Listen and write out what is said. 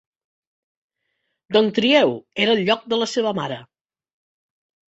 Dong Trieu era el lloc de la seva mare.